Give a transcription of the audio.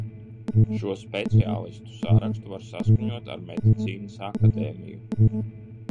Šo speciālistu sarakstu var saskaņot ar Medicīnas akadēmiju.